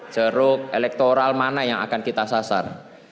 ceruk elektoral mana yang akan kita sasar